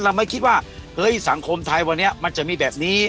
เราไม่คิดว่าสังคมไทยมันนี้มันจะมีตัวแบบนี้